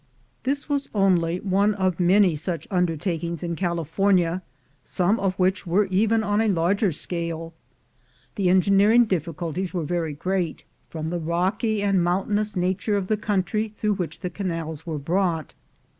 This was only one of many such undertakings in California, some of which were even on a larger scale. 286 A MOUNTAIN OF GOLD 287 The engineering difficulties were very great, from the rocky and mountainous nature of the country through which the canals were brought.